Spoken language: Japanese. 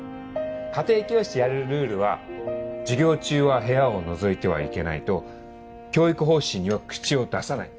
家庭教師やるルールは「授業中は部屋をのぞいてはいけない」と「教育方針には口を出さない」。